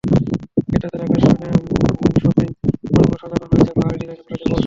ক্রেতাদের আকর্ষণে শপিং মলগুলো সাজানো হয়েছে বাহারি ডিজাইনের পোশাকের পসরা দিয়ে।